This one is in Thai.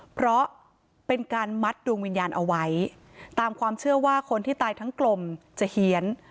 เพราะเป็นการมัดดวงวิญญาณเอาไว้ตามความเชื่อว่าคนที่ตายทั้งกลมจะเฮียน